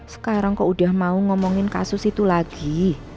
sekarang kok udah mau ngomongin kasus itu lagi